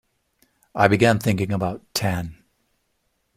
I began thinking about tan.